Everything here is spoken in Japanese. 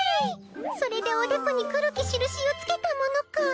それでおでこに黒き印をつけたものかぁ。